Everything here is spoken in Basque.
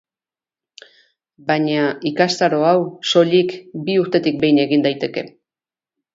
Baina ikastaro hau soilik bi urtetik behin egin daiteke.